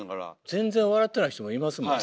全然笑ってない人もいますもんね。